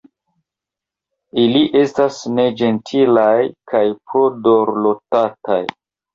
Ili estas neĝentilaj kaj tro dorlotataj.